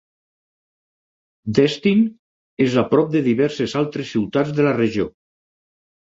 Destin és a prop de diverses altres ciutats de la regió.